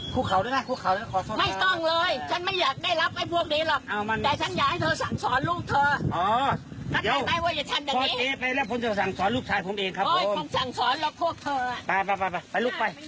ไปลูกไป